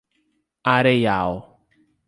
Areial